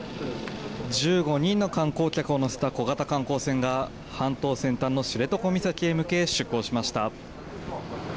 １５人の観光客を乗せた小型観光船が半島先端の知床岬へ向け出港しました。